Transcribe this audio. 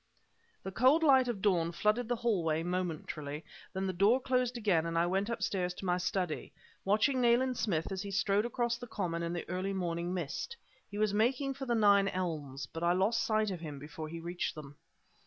The cold light of dawn flooded the hallway momentarily; then the door closed again and I went upstairs to my study, watching Nayland Smith as he strode across the common in the early morning mist. He was making for the Nine Elms, but I lost sight of him before he reached them.